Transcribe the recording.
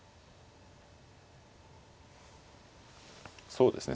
そうですね